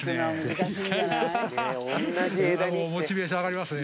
モチベーション上がりますね。